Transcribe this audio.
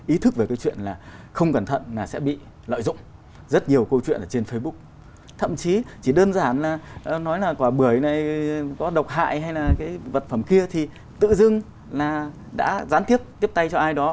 ý thức về cái chuyện là không cẩn thận là sẽ bị lợi dụng rất nhiều câu chuyện ở trên facebook thậm chí chỉ đơn giản là nói là quả bưởi này có độc hại hay là cái vật phẩm kia thì tự dưng là đã gián tiếp tiếp tay cho ai đó